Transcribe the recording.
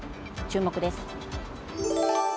注目です。